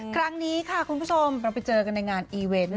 ครั้งนี้ค่ะคุณผู้ชมเราไปเจอกันในงานอีเวนต์